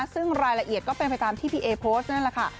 ซึ่งรายละเอียดก็เป็นไปตามที่พี่เอโพสต์นั่นแหละค่ะ